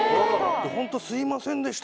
「ホントすいませんでした！」